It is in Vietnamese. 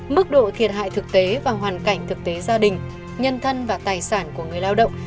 mức độ thiệt hại thực tế và hoàn cảnh thực tế gia đình nhân thân và tài sản của người lao động